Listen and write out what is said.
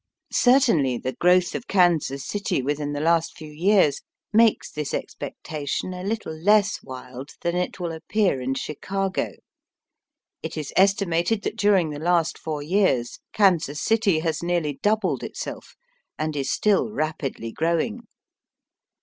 Certainly the growth of Kansas City with in the last few years makes this expectation a little less wild than it will appear in Chicago. It is estimated that during the last four years Kansas City has nearly doubled itself, an4 is still rapidly growing.